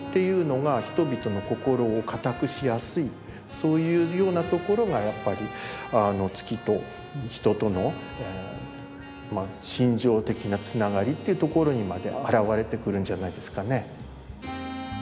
そういうようなところがやっぱり月と人との心情的なつながりっていうところにまで表れてくるんじゃないですかね。